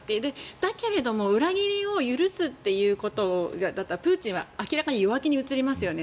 だけど裏切りを許すということだったらプーチンは明らかに弱気に映りますよね。